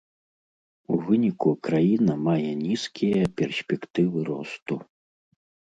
У выніку краіна мае нізкія перспектывы росту.